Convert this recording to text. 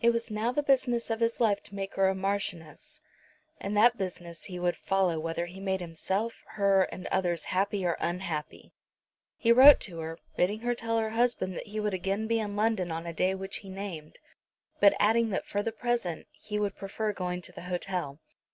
It was now the business of his life to make her a Marchioness, and that business he would follow whether he made himself, her, and others happy or unhappy. He wrote to her, bidding her tell her husband that he would again be in London on a day which he named, but adding that for the present he would prefer going to the hotel.